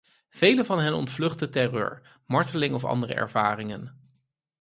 Velen van hen ontvluchten terreur, marteling of andere ervaringen.